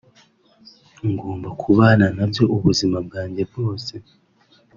ngomba kubana nabyo ubuzima bwanjye bwose